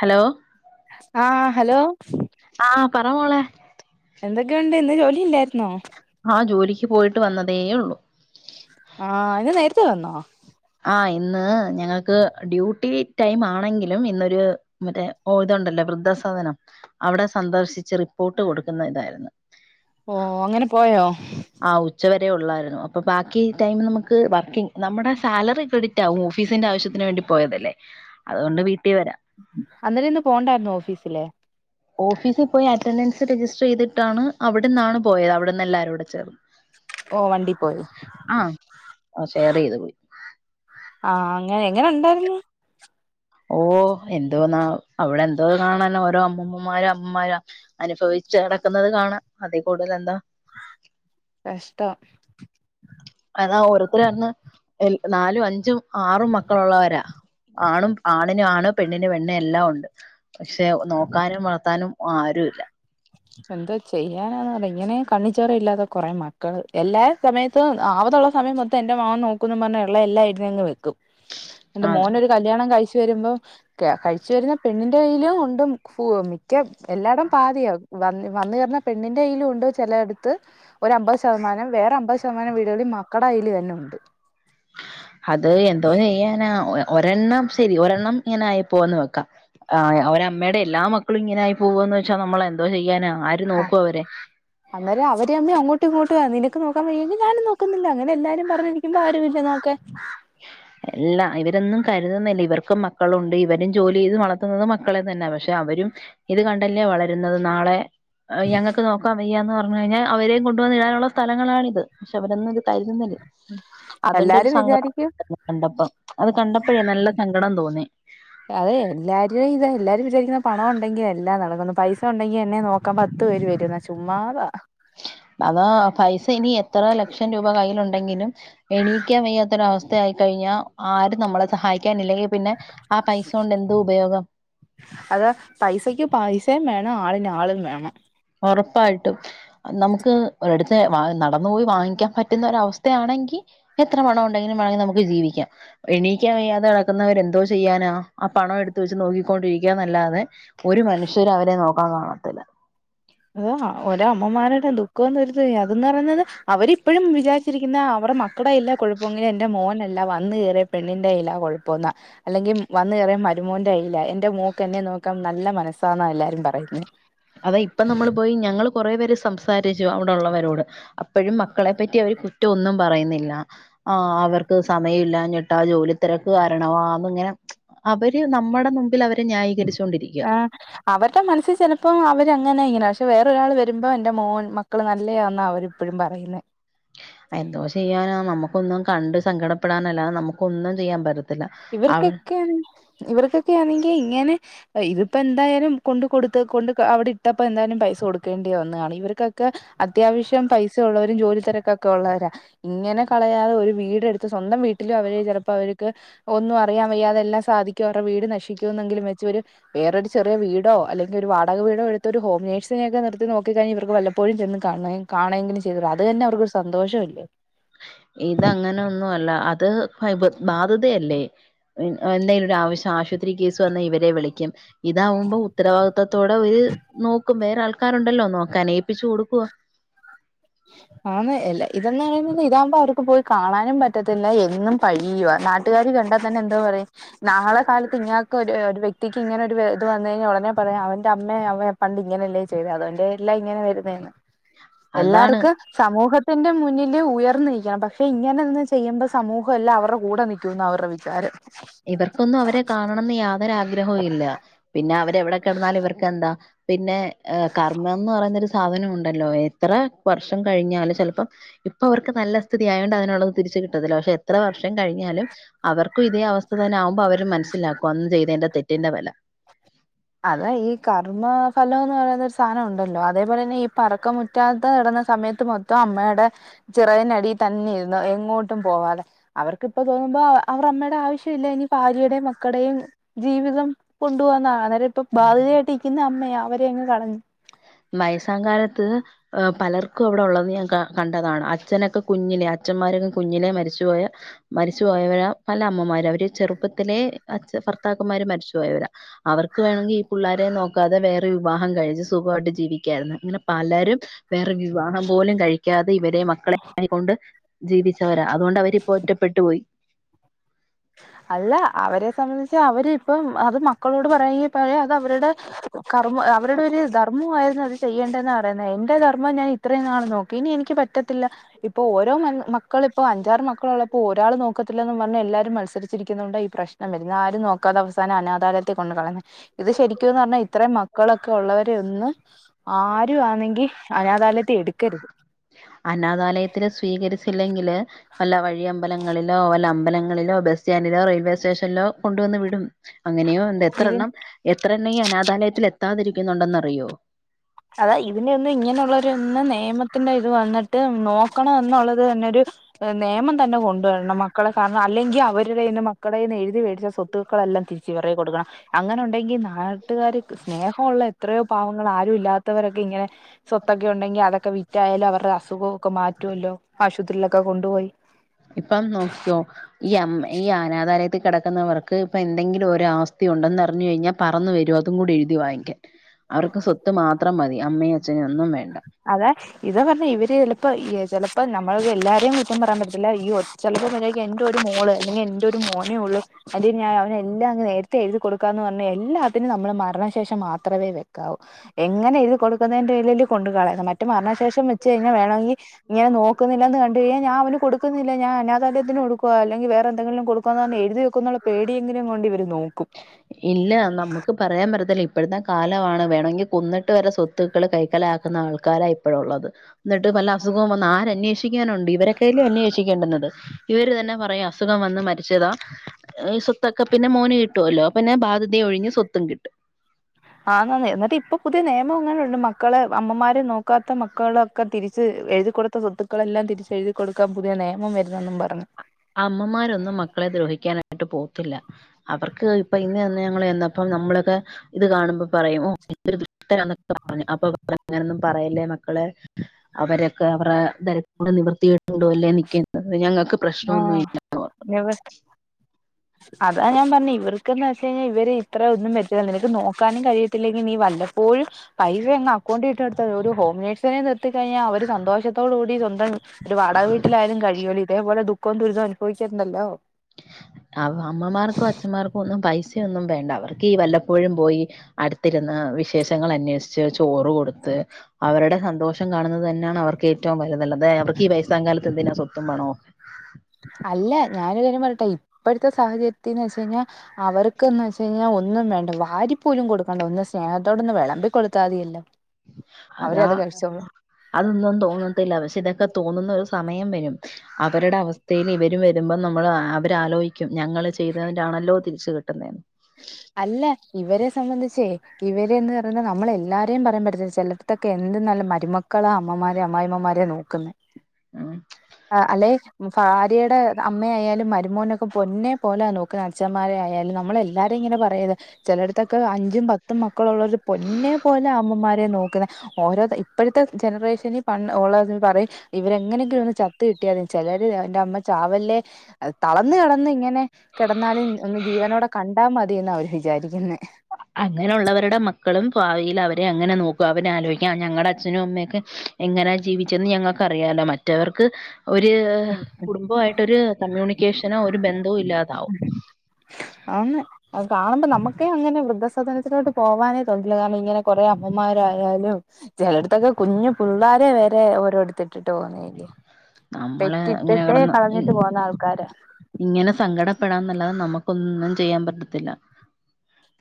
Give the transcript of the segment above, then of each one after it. Hello ആഹ് hello ആഹ് പറ മോളെ എന്തൊക്കെയുണ്ട് ഇന്ന് ജോലി ഇല്ലായിരുന്നോ ആഹ് ജോലിക്ക് പോയിട്ട് വന്നതേ ഉള്ളു ആഹ് ഇന്ന് നേരത്തെ വന്നോ ആ ഇന്ന് ഞങ്ങൾക്ക് ഡ്യൂട്ടി ടൈമ് ആണെങ്കിലും ഇന്നൊരു മറ്റേ ഓ ഇതുണ്ടല്ലോ വൃദ്ധസധനം അവിടെ സന്ദർശിച്ച് റിപ്പോർട്ട് കൊടുക്കുന്ന ഇതായിരുന്നു ഓ അങ്ങനെ പോയോ ആഹ് ഉച്ചവരെ ഉള്ളായിരുന്നു അപ്പൊ ബാക്കി ടൈം നമുക്ക് വർക്കിംഗ് നമ്മുടെ സാലറി ക്രെഡിറ്റ് ആകും ഓഫീസിന്റെ ആവശ്യത്തിന് വേണ്ടി പോയതല്ലേ അതുകൊണ്ട് വീട്ടിൽ വരാം അന്നേരം ഇന്ന് പോകണ്ടായിരുന്നോ ഓഫീസില് ഓഫീസിൽ പോയി അറ്റൻഡൻസ് രജിസ്റ്റർ ചെയ്തിട്ടാണ് അവിടെന്നാണ് പോയത് അവിടെന്ന് എല്ലാരൂടെ ചേർന്ന് ഓ വണ്ടി പോയി ആഹ് ആ ഷെയർ ചെയ്ത് പോയി ആഹ് അങ്ങനെ എങ്ങനെ ഉണ്ടായിരുന്നു ഓ എന്തോന്ന അവിടെ എന്തോ കാണാനോ ഓരോ അമ്മൂമ്മമാരും അമ്മമാരും അനുഭവിച്ച് നടക്കുന്നത് കാണാം അതിൽ കൂടുതൽ എന്താ കഷ്ടം അതാ ഓരോരുത്തര് അന്ന് എ നാലും അഞ്ചും ആറും മക്കള് ഉള്ളവരാ ആണും ആണിന് ആണ് പെണ്ണിന് പെണ്ണ് എല്ലാം ഉണ്ട് പക്ഷെ നോക്കാനും വളത്താനും ആരും ഇല്ല എന്തോ ചെയ്യാനാന്ന് പറ ഇങ്ങനെ കണ്ണിച്ചോര ഇല്ലാതെ കൊറേ മക്കള് എല്ലാ സമയത്ത് ആവതുള്ള സമയം മൊത്തം എന്റെ മകൻ നോക്കൂന്ന് പറഞ്ഞ് ഉള്ളതെല്ലാം ഇരുന്നങ്ങ് വെക്കും എന്നിട്ട് അത മോന് ഒരു കല്യാണം കഴിച്ച് വരുമ്പം കഴിച്ചു വരുന്ന പെണ്ണിന്റെ കയ്യിലും ഉണ്ട് ഫ മിക്ക എല്ലായിടും പാതിയാ വ വന്ന് കേറുന്ന പെണ്ണിന്റെ കയ്യിലും ഉണ്ട് ചില എടുത്ത് ഒര് അമ്പത് ശതമാനം വേറെ അമ്പത് ശതമാനം വീടുകളിൽ മക്കട അൽ തന്നെ ഉണ്ട് അത് എന്തോ ചെയ്യാനാ ഒരെണ്ണം ശരി ഒരെണ്ണം ഇങ്ങനെ ആയിപ്പോയെന്ന് വെക്കാം ആഹ് ഒരമ്മയുടെ എല്ലാ മക്കളും ഇങ്ങനെ ആയി പോവാന്ന് വെച്ചാൽ നമ്മള് എന്തോ ചെയ്യാനാ ആര് നോക്കും അവരെ അന്നേരം അവര് തമ്മിൽ അങ്ങോട്ടും ഇങ്ങോട്ടും ആ നിനക്ക് നോക്കാൻ വയ്യെങ്കിൽ ഞാനും നോക്കുന്നില്ല അങ്ങനെ എല്ലാരും പറഞ്ഞ് നി [unintelligible] ആരുമില്ല നോക്കാൻ എല്ലാ ഇവരൊന്നും കരുതുന്നില്ല ഇവർക്കും മക്കളുണ്ട് ഇവരും ജോലി ചെയ്ത് വളർത്തുന്നുന്നത് മക്ക മക്കളെ തന്നെ പക്ഷെ അവരും ഇത് കണ്ടല്ലേ വളരുന്നത് നാളെ ഞങ്ങൾക്ക് നോക്കാ വയ്യാന്ന് പറഞ്ഞ റഞ്ഞ് കഴിഞ്ഞാൽ അവരേം കൊണ്ടുവന്നിടാനുള്ള സ്ഥലങ്ങളാണിത് പക്ഷെ അവരെന്ന് [unintelligible] അതിന്റെ ഒരു എല്ലാരും സങ്കടം വിചാരിക്കും കണ്ടപ്പം അത് കണ്ടപ്പഴേ നല്ല സങ്കടം തോന്നി [inaudible] അതെ എല്ലാവരും ഇത എല്ലാവരും വിജാരിക്കുന്നേ പണം ഉണ്ടെങ്കി എല്ലാം നടക്കുന്നു പൈസ ഉണ്ടെങ്കി എന്നെ നോക്കാ പത്തു പേര് വരുന്ന് ചുമ്മാതാ അതാ പൈസ ഇനി എത്ര ലക്ഷം രൂപ കയ്യിലുണ്ടെങ്കിലും എണീക്കാൻ വയ്യാത്തൊര വസ്ഥയായിക്കഴിഞ്ഞാ ആരും നമ്മളെ സഹായിക്കാനില്ലെങ്കിൽ പിന്നെ ആ പൈസ കൊണ്ട് എന്ത് ഉപയോഗം അത പൈസക്ക് പൈസയും വേണം ആളിന് ആളും വേണം ഉറപ്പായിട്ടും നമുക്ക് ഒരടുത്ത് നടന്നു പോയി വാങ്ങിക്കാൻ പ റ്റുന്ന ഒരു അവസ്ഥയാണെങ്കിൽ എത്ര പണം ഉണ്ടെങ്കിലും വേണമെങ്കിൽ നമുക്ക് ജീവിക്കാം എണീക്കാൻ വയ്യാതെ കിടക്കുന്നവരെന്തോ ചെയ്യാനാ ആ പണം എടുത്ത് വെച്ച് നോക്കിക്കൊണ്ടിരിക്കാ നല്ലാതെ ഒരു മനുഷ്യരും അവരെ നോക്കാൻ കാണത്തില്ല അതാ ഓരോ അമ്മമാരുടെയും ദുഃഖംന്ന് രുത് അതന്ന് പറയുന്നത് അവരിപ്പോഴും വിചാരിച്ചിരിക്കുന്നത് അവരുടെ മ ക്കടെ കയ്യില കുഴപ്പമെങ്കിലും എന്റെ മോനല്ല വന്ന് കയറിയ പെണ്ണിൻ്റെ കയ്യിലാ കുഴപ്പംന്ന് അല്ലെങ്കിൽ വന്ന് കയറിയ മരുമോന്റെ കയ്യില എന്റെ മോക്ക് എന്നെ നോക്കാൻ നല്ല മനസ്സാന്നാ എല്ലാരും പറയുന്നത് അതാ ഇപ്പം നമ്മള് പോയി ഞങ്ങള് കൊറെ പേര് സംസാരിച്ചു അവിടെള്ളവരോട് അപ്പോഴും മക്കളെ പറ്റി അവർ കുറ്റം ഒന്നും പറയുന്നില്ല ആ അവർക്ക് സമയമില്ലാഞ്ഞി ട്ടാ ജോലി തിരക്ക് കാരണമാ ഇങ്ങനെ അവര് നമ്മടെ മുമ്പിൽ അവരെ ന്യായീകരിച്ചൊണ്ടിരിക്കുക ആഹ് അവരുടെ മനസ്സിൽ ചിലപ്പോ അവരങ്ങനെ ഇങ്ങനെ പക്ഷെ വേറൊരാൾ വരുമ്പോ എൻ്റെ മോൻ മക്കള് നല്ലയാന്നാ അവരിപ്പോഴും പറയുന്നെ എന്തോ ചെയ്യാനാ നമുക്കൊന്നും കണ്ട് സങ്കടപ്പെടാനാല്ലാതെ നമുക്ക് ഒന്നും ചെയ്യാൻ പറ്റ ഇവർക്കൊക്കെ ആണെ ഇവർക്കൊക്കെണെങ്കിൽ ഇങ്ങനെ ഇതിപ്പോ എന്തായാലും കൊണ്ട് കൊടുത്ത് കൊണ്ട് അവിടെ ഇട്ടപ്പോ എന്തായാലും പൈസ കൊടുക്കേണ്ടി വന്ന്കാണും ഇവർക്കൊക്കെ അത്യാവശ്യം പൈസ ഉള്ളവരും ജോലി തിരക്കൊക്കെ ഉള്ളവരാ ഇങ്ങനെ കളയാതെ ഒരു വീടെടുത്ത് സ്വന്തം വീട്ടിലും അവര് ചിലപ്പോ അവര്ക്ക് ഒന്നും അറിയാൻ വയ്യാതെ എല്ലാ സാധിക്കും അവടെ വീട് നശിക്കും എന്നെങ്കിലും വെച്ച് ഒരു വേറൊരു ചെറിയ വീടോ അല്ലെങ്കിൽ ഒരു വാടക വീടോ എടുത്ത് ഒരു ഹോം നേഴ്സിനൊക്കെ നിർത്തി നോക്കി ത്തി കഴിഞ്ഞ് ഇവർക്ക് വല്ലപ്പോഴും ചെന്ന് കാണെങ്കിലും ചെയ്താ അത് തന്നെ അവർക്ക് സന്തോഷമല്ലേ ഇതങ്ങനൊന്നുംല്ല അത് ബാധ്യതയല്ലേ എന്തായാലും ഒരു ആവശ്യം ആശുപത്രി കേസ് വന്നാൽ ഇവരെ വിളിക്കും ഇതാവുമ്പോ ഉത്തരവാദിത്തതോടെ ഒരു നോക്കും വേറെ ആൾക്കാരുണ്ടല്ലോ നോക്കാൻ ഏൽപ്പിച്ച് കൊടുക്കുവാ ആന്ന് ഇല്ല ഇതെന്ന് പറയുന്നത് ഇതാകുമ്പോ അവർക്ക് പോയി കാണാനും പറ്റത്തില്ല എന്നും പഴിയുവാ നാട്ടുകാര് കണ്ടാൽ തന്നെ എന്തോ പറയും നാളെ കാലത്ത് ഇങ്ങാക്ക് ഒരു വ്യ ക്തിക്ക് ഇങ്ങനെ ഒരു ഇത് വന്ന് കഴിഞ്ഞാൽ ഉടനെ പറയും അവന്റെ അമ്മയെ അവൻ പണ്ട് ഇങ്ങനെയല്ലേ ചെയ്തെ അത്കൊണ്ടല്ലേ ഇങ്ങനെ വരുന്നേ അതാണ് എല്ലാർക്കും സമൂഹത്തിന്റെ മുന്നില് ഉയർന്നിരിക്കണം പക്ഷെ ഇങ്ങനെ നിന്ന് ചെയ്യുമ്പോ സമൂഹം എല്ലാം അവരുടെ കൂടെ നിൽക്കൂന്നു അവര്ടെ വി ചാരം ഇവർക്കൊന്നും അവരെ കാണണംന്ന് യാതൊരുരാഗ്രഹവും ഇല്ല പിന്നെ അവരെ എവിടെ കിടന്നാലും ഇവർക്ക് എന്താ പിന്നെ കർമ്മംന്ന് പറയുന്നൊരു സാധനം ഉണ്ടല്ലോ എത്ര വർഷം കഴിഞ്ഞാല് ചെലപ്പം ഇപ്പൊ അവർക്ക് നല്ല സ്ഥിതി ആയൊണ്ട് അയിനുള്ളത് തിരിച്ചു കിട്ടത്തില്ല. പശേ എത്ര വർഷം കഴിഞ്ഞാലും അവർക്കും ഇതേ അവ ആവുമ്പം അവര് മൻസ്സിലാക്കും അന്ന് ചെയ്തെന്റെ തെറ്റിന്റെ വെല. അതെ ഈ കർമ്മോ ഫലോന്ന് പറയുന്ന ഒരു സാധനം ഉണ്ടല്ലോ. അതേപോലെ ന്നെ ഈ പറക്ക മു റ്റാത്ത നടന്ന സമയത്ത് മൊത്തം അമ്മേടെ ചിറകിനടീ തന്നെ ഇരുന്നു. എങ്ങോട്ടും പോവാതെ. അവർക്ക് ഇപ്പം തോന്നുമ്പോ അവർ അമ്മേടെ ആവശ്യം ഇല്ലേനി. ഭാര്യടേം മക്കടെയും ജീവിതം കൊണ്ടു പോകുന്ന. അന്നേര പ്പൊ ബാധ്യതായിട്ടിക്കിന്ന അമ്മയാ അവരെ അങ്ങ് കളഞ്ഞു. വയസ്സാ കാലത്ത് ഹ് പലർക്കും അവിടെ ഉള്ളത് ഞാൻ കാ കൺ ണ്ടതാണ്. അച്ഛനൊക്കെ കുഞ്ഞിലെ അഛന്മാരൊക്കെ കുഞ്ഞിലെ മരിച്ചുപോയ മരിച്ചു പോയവരാ. പല അമ്മമാര് അവര് ചെറുപ്പത്തിലെ അച്ഛ ഭർത്താക്കന്മാര് മരിച്ചുപൊയവരാ. അവർക്ക് വേണമെങ്കിഈ പുള്ളാരെ നോക്കാതെ വേറെരു വിവാഹം കഴിച്ചു സുഖമായിട്ട് ജീവിക്കായിര്ന്ന്. ഇങ്ങനെ പലരും വേറെ വിവാഹം പോലും കഴിക്യാതെ ഇവരെ മക്കളെകൊണ്ട് ജീവി ച്ചവരാ. അതൊണ്ട് അവര് പ്പോ ഒറ്റപ്പെട്ടു പോയി. അല്ല. അവരെ സംബന്ധിച്ച് അവര് ഇപ്പം അത് മക്കളോട് പറയെങ്കി പറയാ അതവരുടെ കർമ്മ അവരുടെ ഒരു ധർമ്മുആയിരുന്ന് അത് ചെയ്യേണ്ടെന്നാ പറയുന്നത്. എന്റെ ധർമ്മം ഞാന് ഇത്രയും നാള് നോക്കി. ഇനി എനിക്ക് പറ്റത്തില്ല. ഇപ്പൊ ഓരോ മ മക്കളിപ്പോ അഞ്ചാറ് മക്കളുള്ളപ്പോ ഒരാള് നോക്കത്തില്ലന്നും പർഞ്ഞ് എല്ലാരും ത്സരിച്ചിരിക്കുന്നോണ്ടാ ഈ പ്രശ്നം വരുന്ന. ആരും നോക്കാതെ അവസാനം അനാഥാലയത്തി കൊണ്ട് കളയുന്ന ഇത് ശരിക്കുംന്ന് പർഞ്ഞാ ഇത്രയും മക്കളൊക്കെ ഉള്ളവര് ഒന്ന് ആരു ആന്നെങ്കി അനാധാലയത്തി എട്ക്കരുത്. അനാഥാലയത്തില് സ്വീകരിച്ചില്ലെങ്കില് വല്ല വഴി അമ്പലങ്ങളിലോ വല്ല അമ്പലങ്ങളിലോ ബസ് സ്റ്റാൻഡിലോ റെയിൽവേ സ്റ്റേഷനിലോ കൊണ്ടുവന്ന് വിടും. അങ്ങനെയും ഉണ്ട് ഇതിന് എത്രണ്ണം. എത്രണ്ണം ഈ അനാഥാലയത്തിലെത്താതിരിക്കുന്നുണ്ടെന്നറിയോ. അതാ ഇതിനെ ഒന്നും ഇങ്ങനെള്ളെരു ഒന്ന് നിയമത്തിന്റെ ഇത് വന്നിട്ട് നോക്കണം എന്നുള്ളത് തന്നൊരു നിയമം തന്നെ കൊണ്ടുവരണം. മക്കളെ കാരണം അല്ലെങ്കി അവരുടെ യ്യിന്ന് മക്കളടേന്ന് എഴുതി വേടിച്ച സ്വത്തുക്കളെല്ലാം തിരിച്ചിവരെ കൊടുക്കണം. അങ്ങനെ ഉണ്ടെങ്കി നാട്ടുകാര് സ്നേഹോള്ള എത്രയോ പാവങ്ങൾ ആരും ഇല്ലാത്തവരൊക്കെ ഇങ്ങനെ സ്വത്തൊക്കെ ഉണ്ടെങ്കി അതൊക്കെ വിറ്റായാലും അവരുടെ അസുഗൊക്കെ മാറ്റൊല്ലോ ആശുപത്രിയിലൊക്കെ കൊണ്ടുപോയി ഇപ്പം നോക്കിക്കൊ. ഈ അം ഈ അ അനാധാലയത്തിൽ കിടക്കുന്നവർക്ക് പ്പ എന്തെങ്കിലും ഒരാസ്തി ഉണ്ടെന്നറഞ്കഴിഞ്ഞാ പറന്നു വരും അതും കൂടി എഴുതി വാങ്ങിക്കാൻ അവർക്ക് സ്വത്ത് മാത്രം മതി അമ്മയും അച്ഛനെ ഒന്നും വേണ്ട. അതാ ഇതാ പർഞ്ഞെ ഇവര് ചിലപ്പോ ചിലപ്പോ നമ്മള് എല്ലാരേം കുറ്റം പറയാൻ പറ്റത്തില്ല ഈ ഒ ചിലപ്പോ മര്യാതിക് എന്റെ ഒരു മോള് അല്ലെങ്കി എന്റെ ഒരു മോനേ ഉള്ളു അത് ഞാൻ അവനെല്ലാം അങ്ങ് നേരത്തെ എഴുതി കൊടുക്കാംന്ന് പർഞ്ഞാ എല്ലാത്തിനും നമ്മള് മരണശേഷം മാത്രമേ വെക്കാവൂ എങ്ങനെ എഴുതി കൊടുക്കുന്നതിന്റെലല്ലേ കൊണ്ടു കളയ മറ്റ മരണശേഷം വെച്ച് കഴിഞ്ഞാ വേണങ്കി ഇങ്ങനെ നോക്ക ക്കുന്നില്ലന്ന് കണ്ടുകഴ്ഞ്ഞാ ഞാൻ അവന് കൊടുക്കുന്നില്ല ഞാൻ അനാഥാലയത്തിന് കൊടുക്കുവാ അല്ലെങ്കി വേറെന്തെങ്കിലും കൊടുക്കാന്നർഞ്ഞ് എഴുതി വെക്കുന്നുള്ള പേടിയെങ്കിലും കൊണ്ട് ഇവര് നോക്കും. ഇല്ല. നമുക്ക് പറയാൻ പറ്റത്തില്ല. ഇപ്പഴത്തെ കാലമാണ് വേണെങ്കി കൊന്നിട്ട് വരെ സ്വത്തുക്കള് കൈക്കലാക്കുന്ന ആൾക്കാരാ ഇപ്പോഴുള്ളത് ന്നിട്ട് വല്ല അസുഖം വന്നാ ആരന്വേഷി ക്കാനുണ്ട് ഇവരൊക്കല്ലേ അന്വേഷിക്കേണ്ടന്നത് ഇവര് തന്നെ പറയാ അസുഖം വന്ന് മരിച്ചതാ. ഈ സ്വത്തൊക്കെ പിന്നെ മോനേ ട്ടോല്ലോ അപ്പിന്നെ ബാദ്യത ഒഴിഞ്ഞ് സ്വത്തും കിട്ടും ആഹ്ന്നാന്നേ ന്നിട്ടിപ്പൊ പുതിയ നിയമം അങ്ങനെയുണ്ട് മക്കളെ അമ്മമാര് നോക്കാത്ത മക്കള ഒക്കെ തിരിച്ച് എഴുതി കൊടുത്ത സ്വത്തുക്കളെല്ലാം തിരിച്ച് എഴുതി കൊടുക്കാൻ പുതിയ നിയമം വരുന്നെന്നും പറഞ്ഞു അമ്മമാരൊന്നും മക്കളെ ദ്രോഹിക്കാനായിട്ട് പോവത്തില്ല. അവർക്ക് ഇപ്പ ഇന്ന് തന്നെ ഞങ്ങള് ചെന്നപ്പം നമ്മളെയൊക്കെ ഇത് കാണുമ്പോ പറയും ഓഹ് [unintelligible] പറയല്ലേ മക്കളെ അവരൊക്കെ അവരെ [unintelligible] നിവർത്തികേടുകൊണ്ടല്ലേ നിൽക്കുന്നത് ഞങ്ങക്ക് പ്രശ്നൊന്നുല്ല വ്യവസ്ഥ അതാ ഞാൻ പർഞ്ഞെ ഇവർക്ക്ന്ന് വെച്ച് കഴ്ഞ്ഞാൽ ഇവര് ഇത്ര ഒന്നും പറ്റത്തില്ലില്ല നക്ക് നോക്കാനും കഴിയ ത്തില്ലെങ്കി നീ വല്ലപ്പോഴും പൈസ അങ്ങ് അക്കൗണ്ടി ഇട്ടൊട്ത്താത് ഒരു ഹോം നേഴ്സിനെ നിർത്തി കഴിഞ്ഞാ അവര് സന്തോഷത്തോടി കൂടി ഒരു വാടക വീട്ടിലായാലും കഴിയുമല്ലോ ഇതേപോലെ ദുഖോം ദുരിതവും അനുഭവിക്കണ്ടല്ലോ അവ അമ്മമാർക്കും അച്ഛന്മാർക്കോന്നും പൈസയൊന്നും വേണ്ട അവർക്ക് ഈ വല്ലപ്പോഴും പോയി അടുത്തിരുന്ന് വിശേഷങ്ങൾ അന്വേഷിച്ച് ചോറ് കൊടുത്ത് അവരുടെ സന്തോഷം കാണുന്നത് തന്നെയാണ് അവർക്ക് ഏറ്റവും വലതല്ലതായത് അവർക്ക് ഈ വയസ്സാം കാലത്ത് എന്തിനാ സ്വത്തും പണോം അല്ല ഞാനൊരു കാര്യം പറയട്ടെ ഇപ്പഴത്തെ സാഹചര്യത്തിന്ന് വെച്ചഴിഞ്ഞാ അവർക്ക്ന്ന് വെച്ച് കഴിഞ്ഞാ ഒന്നും വേണ്ട വാരി പോലും കൊടുക്കണ്ട ഒന്ന് സ്നേഹത്തോടൊന്ന് വിളമ്പി കൊടുത്താതിയല്ലോ അതാ അതൊന്നും തോന്നത്തില്ല പക്ഷെ ഇതൊക്കെ തോന്നുന്ന ഒരു സമയം വരും അവരുടെ അവസ്ഥയിലിവരും വരുമ്പോ നമ്മള് അവരാലോയ് ക്യും ഞങ്ങള് ചെയ്തതിന്റൊണല്ലോ തിരിച്ച് കിട്ടുന്നതന്ന് അല്ല ഇവരെ സംബന്ധിച്ചേ ഇവരെന്ന് പറയ്ണ് നമ്മള് എല്ലാരേയും പറയാൻ പറ്റത്തില്ല ചെല ഇതൊക്കെ എന്ത് നല്ല മരുമക്കളാ അമ്മമാരെ അമ്മായിമ്മമാരെ നോക്കുന്നേ ഉം ആഹ് അല്ലേ ഭാര്യയുടെ അമ്മയായാലും മരുമോനൊക്കെ പൊന്നെ പോലെ നോക്കുന്നത് അച്ഛന്മാര ആയാലും നമ്മളെല്ലാരും ഇങ്ങനെ പറയത് ചിലട്ത്തൊക്കെ അഞ്ചും പത്തും മക്കളുള്ളര് പൊന്നെ പോലെ അമ്മമാരെ നോക്കണേ ഓരോ ഇപ്പോഴത്തെ ജനറേഷനി പ ഉള്ളര് പറയും ഇവരെങ്ങനെയെങ്കിലും ഒന്ന് ചത്ത് കിട്ടിയാതി ചിലര് എന്റെ അമ്മ ചാവല്ലെ തളർന്നു കിടന്ന് ഇങ്ങനെ കിടന്നാലും ഒന്ന് ജീവനോടെ കണ്ടാ മതിയെന്നാ അവർ വിചാരിക്കുന്നേ അങ്ങനെയുള്ളവരുടെ മക്കളും ഭാവിയിൽ അവരെ അങ്ങനെ നോക്കും അവരെ ആലോയ്ക്കാം ഞങ്ങടെ അച്ഛനും അമ്മയൊക്കെ എങ്ങനാ ജീവിച്ചെന്ന് ഞങ്ങൾക്ക് അറിയാലോ മറ്റവർക്ക് ഒരു കുടുംബമായിട്ടൊരു കമ്മ്യൂണിക്കേഷനോ ഒരു ബന്ധവും ഇല്ലാതാവും ആന്ന് അത് കാണുമ്പോ നമുക്കേ അങ്ങനെ വൃദ്ധസാദനത്തിനോട്ട് പോവാനേ തോന്നില്ല കാരണം ഇങ്ങനെ കൊറേ അമ്മമാരായാലും ചിലട്ത്തൊക്കെ കുഞ്ഞ് പിള്ളാരെ വരെ ഓരോ എടുത്തിട്ടിട്ട് പോകുന്നേ നമ്മള് ഇങ്ങനെ പെറ്റിട്ടിട്ടേ കിടന്ന് ഇ- കളഞ്ഞിട്ട് പോവുന്ന ആൾക്കാര ഇങ്ങനെ സങ്കടപ്പെടാന്നല്ലാതെ നമുക്കൊന്നും ചെയ്യാൻ പറ്റത്തില്ല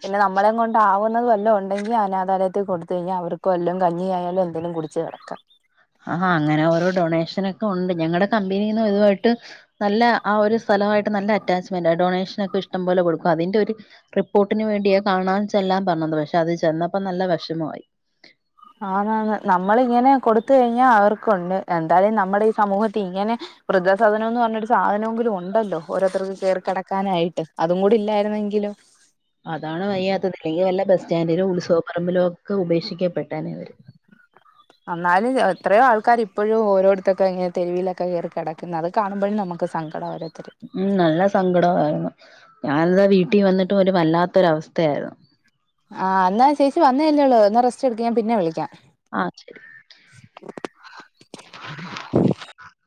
പിന്നെ നമ്മളെ കൊണ്ട് ആവുന്നത് വല്ലോ ഉണ്ടെങ്കിൽ അനാഥാലയത്ത് കൊടുത്ത് കഴിഞ്ഞാ അവർക്കും വല്ലോ കഞ്ഞിയായാലും എന്തേലും കുടിച്ച് കിടക്കാം ആഹാ അങ്ങനെ ഓരോ ഡൊണേഷനൊക്കെ ഉണ്ട് ഞങ്ങളടെ കമ്പനിന്നും ഇതുവായിട്ട് നല്ല ആ ഒരു സ്ഥലമായിട്ട് നല്ല അറ്റാച്ച്മെന്റ് ഡൊണേഷന ഒക്കെ ഇഷ്ടം പോലെ കൊടുക്കും അതിന്റെ ഒരു റിപ്പോർട്ടിന് വേണ്ടിയാണ് കാണാൻ ചെല്ലാൻ പറഞ്ഞത് പക്ഷെ അത് ചെന്നപ്പോ നല്ല വിഷമമായി ആന്നാന്ന് നമ്മളിങ്ങനെ കൊടുത്ത് കഴിഞ്ഞാൽ അവർക്കുണ്ട് എന്തായാലും നമ്മുടെ ഈ സമൂഹത്തി ഇങ്ങനെ വൃദ്ധസധനംന്ന് പറഞ്ഞൊരു സാധനമെങ്കിലും ഉണ്ടല്ലോ ഓരോരുത്തർക്ക് കേറി കിടക്കാനായിട്ട് അതും കൂടി ഇല്ലായിരുന്നെങ്കിലോ അതാണ് വയ്യാത്തത് അല്ലങ്കിൽ വല്ല ബസ് സ്റ്റാൻഡിലോ ഉത്സവപ്പറമ്പിലോ ഒക്കെ ഉപേക്ഷിക്കപ്പെട്ടേനെ ഇവർ എന്നാലും എത്രയോ ആൾക്കാർ ഇപ്പോഴും ഓരോട്ത്തൊക്കെ ഇങ്ങനെ തെരുവിലൊക്കെ കേറി കിടക്കുന്നത് കാണുമ്പോഴും നമുക്ക് സങ്കടാ ഓരോരുത്തര് ഉം നല്ല സങ്കടയിരുന്നു ഞാന് എന്താ വീട്ടിൽ വന്നിട്ടും ഒരു വല്ലാത്തൊരവസ്ഥയായിരുന്നു ആഹ് എന്നാൽ ചേച്ചി വന്നേ അല്ലേള്ളൂ എന്നാ റെസ്റ്റ് എടുക്ക്‌ ഞാൻ പിന്നെ വിളിക്കാം ആ ശരി [inaudible]